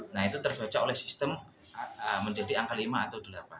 nah itu terbaca oleh sistem menjadi angka lima atau delapan